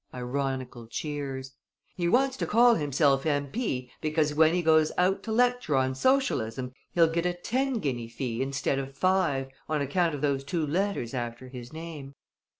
(Ironical cheers.) "He wants to call himself M.P. because when he goes out to lecture on Socialism he'll get a ten guinea fee instead of five, on account of those two letters after his name.